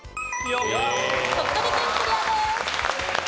鳥取県クリアです。